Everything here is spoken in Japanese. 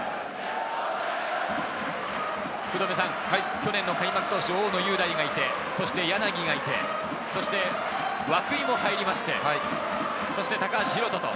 去年の開幕投手、大野雄大がいて、柳がいて、そして涌井も入りまして、そして高橋宏斗。